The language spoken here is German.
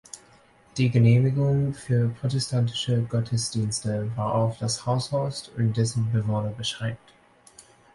Die Genehmigung für protestantische Gottesdienste war auf das Haus Horst und dessen Bewohner beschränkt.